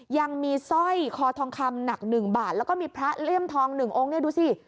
ยังมีสร้อยคอทองคำหนัก๑บาทแล้วก็มีพระเลี่ยมทอง๑องค์เนี่ยดูสิ